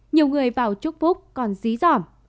nhiều người vào chúc phúc còn dí dỏm